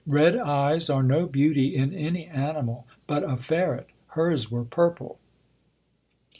Red eyes are no beauty in any animal but a ferret ;— hers were purple.